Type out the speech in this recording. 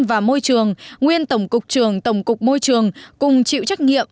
và môi trường nguyên tổng cục trường tổng cục môi trường cùng chịu trách nhiệm